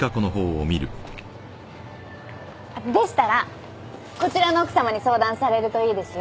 でしたらこちらの奥さまに相談されるといいですよ。